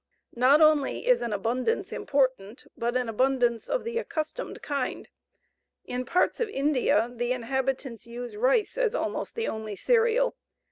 Not only is an abundance important, but an abundance of the accustomed kind. In parts of India, the inhabitants use rice as almost the only cereal.